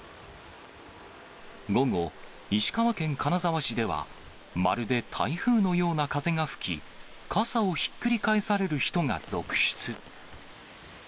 午後、石川県金沢市では、まるで台風のような風が吹き、傘をひっくり返される人が続出。